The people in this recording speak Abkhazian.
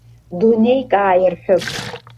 Дунеик ааирҳәып.